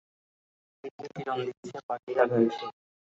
সূর্য কিরণ দিচ্ছে, পাখিরা গাইছে।